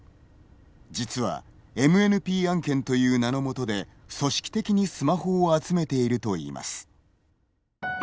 実はＭＮＰ案件という名のもとで組織的にスマホを集めているといいます。